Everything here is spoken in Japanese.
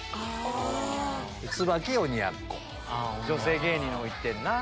女性芸人のほう行ってんなぁ。